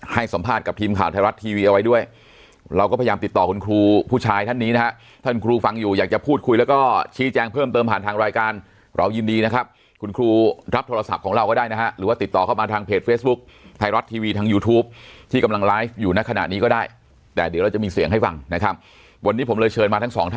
ให้สัมภาษณ์กับทีมข่าวไทยรัฐทีวีเอาไว้ด้วยเราก็พยายามติดต่อคุณครูผู้ชายท่านนี้นะครับท่านครูฟังอยู่อยากจะพูดคุยแล้วก็ชี้แจงเพิ่มเติมผ่านทางรายการเรายินดีนะครับคุณครูรับโทรศัพท์ของเราก็ได้นะฮะหรือว่าติดต่อเข้ามาทางเพจเฟสบุ๊คไทยรัฐทีวีทางยูทูปที่กำลังไลฟ์อยู่ในขณะ